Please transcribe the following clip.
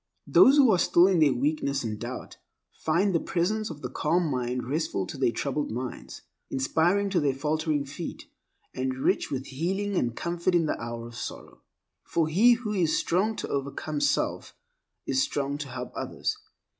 Those who are still in their weakness and doubt, find the presence of the calm mind restful to their troubled minds, inspiring to their faltering feet, and rich with healing and comfort in the hour of sorrow. For he who is strong to overcome self is strong to help others.